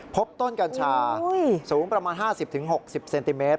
พบต้นกัญชาสูงประมาณ๕๐๖๐เซนติเมตร